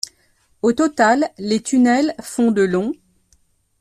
Au total, les tunnels font de long.